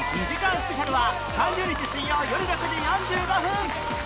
スペシャルは３０日水曜よる６時４５分